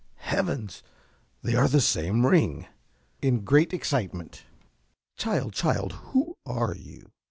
~ Heavens! They are the same ring! (In great excitement.) Child, child, who are you?